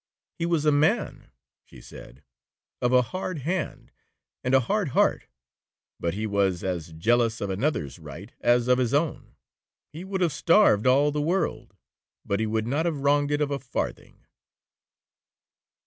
'He was a man,' she said, 'of a hard hand, and a hard heart, but he was as jealous of another's right as of his own. He would have starved all the world, but he would not have wronged it of a farthing.'